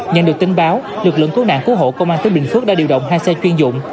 nhận được tin báo lực lượng cứu nạn cứu hộ công an tỉnh bình phước đã điều động hai xe chuyên dụng